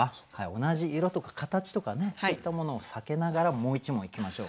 同じ色とか形とかねそういったものを避けながらもう一問いきましょう。